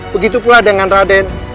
begitu pula dengan raden